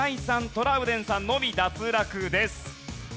トラウデンさんのみ脱落です。